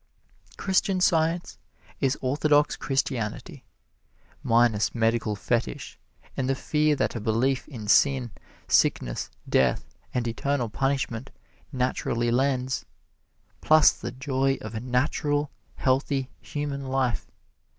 Christian Science is orthodox Christianity, minus medical fetish and the fear that a belief in sin, sickness, death and eternal punishment naturally lends, plus the joy of a natural, healthy, human life.